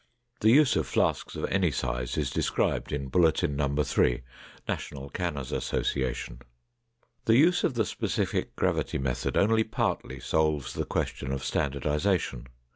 The use of flasks of any size is described in Bulletin No. 3, National Canners' Association. The use of the specific gravity method only partly solves the question of standardization.